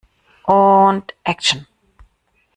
Und Action!